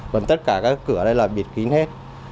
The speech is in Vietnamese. còn tất cả các cửa đây là bịt kín hết